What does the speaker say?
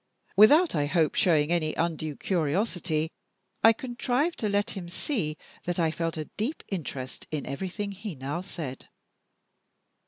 Without, I hope, showing any undue curiosity, I contrived to let him see that I felt a deep interest in everything he now said.